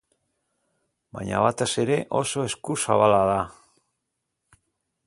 Baina, batez ere, oso eskuzabala da.